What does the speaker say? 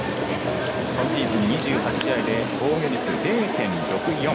今シーズン２８試合で防御率０．６４。